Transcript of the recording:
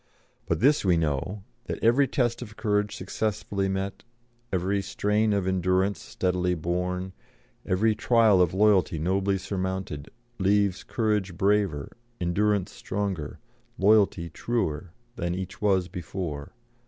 But this we know that every test of courage successfully met, every strain of endurance steadily borne, every trial of loyalty nobly surmounted, leaves courage braver, endurance stronger, loyalty truer, than each was before.